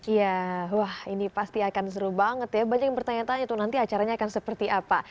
ya wah ini pasti akan seru banget ya banyak yang bertanya tanya tuh nanti acaranya akan seperti apa